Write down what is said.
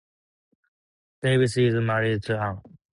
Davies is married to Ann.